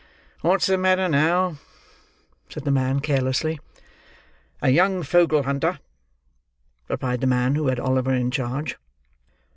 "What's the matter now?" said the man carelessly. "A young fogle hunter," replied the man who had Oliver in charge.